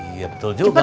iya betul juga mak